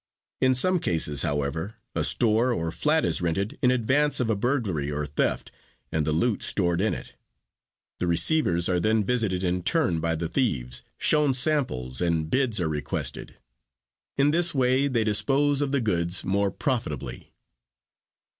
In some cases, however, a store or flat is rented in advance of a burglary or theft and the loot stored in it. The receivers are then visited in turn by the thieves, shown samples, and bids are requested. In this way they dispose of the goods more profitably.